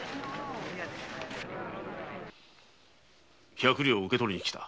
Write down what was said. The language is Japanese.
百両を受け取りにきた。